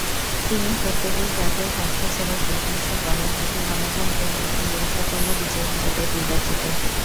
তিনি পর্তুগিজ জাতীয় স্বাস্থ্যসেবার প্রশংসা করেন, এটি গণতন্ত্রের একটি গুরুত্বপূর্ণ বিজয় হিসাবে বিবেচিত।